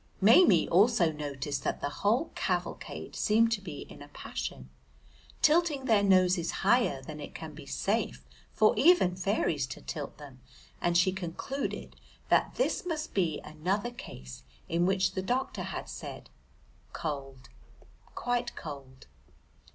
Maimie also noticed that the whole cavalcade seemed to be in a passion, tilting their noses higher than it can be safe for even fairies to tilt them, and she concluded that this must be another case in which the doctor had said "Cold, quite cold!"